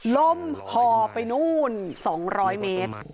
ลมห่อไปนู่น๒๐๐เมตร